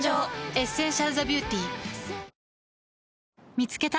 「エッセンシャルザビューティ」見つけた。